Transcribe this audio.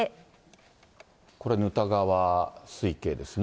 これ、沼田川水系ですね。